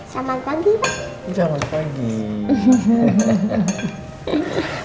selamat pagi pak